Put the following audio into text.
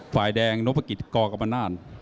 ฝ่ายแดงโนภกิตกกำลัง